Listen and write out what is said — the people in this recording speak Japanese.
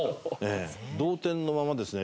同点のままですね